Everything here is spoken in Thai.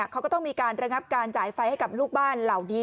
เขาก็ต้องมีการระงับการจ่ายไฟให้กับลูกบ้านเหล่านี้